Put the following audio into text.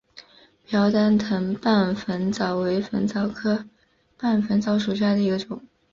瓢箪藤棒粉虱为粉虱科棒粉虱属下的一个种。